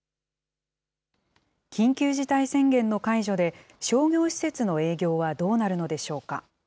緊急事態宣言の解除で、商業施設の営業はどうなるのでしょうか。